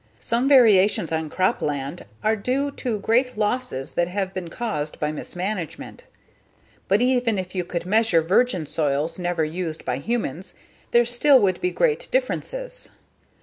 Some variations on crop land are due to great losses that have been caused by mismanagement. But even if you could measure virgin soils never used by humans there still would be great differences.